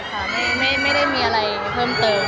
ค่ะไม่ได้มีอะไรเพิ่มเติม